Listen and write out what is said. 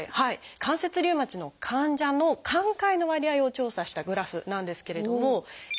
関節リウマチの患者の寛解の割合を調査したグラフなんですけれども。